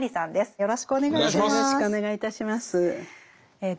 よろしくお願いします。